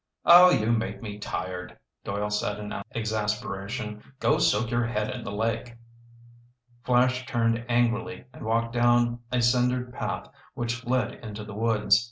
"Oh, you make me tired!" Doyle said in exasperation. "Go soak your head in the lake!" Flash turned angrily and walked down a cindered path which led into the woods.